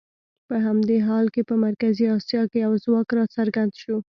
په همدې حال کې په مرکزي اسیا کې یو ځواک راڅرګند شو.